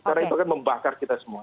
karena itu akan membakar kita semua